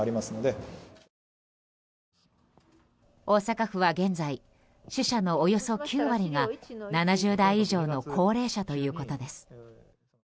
大阪府は現在死者のおよそ９割が７０代以上の高齢者ということです。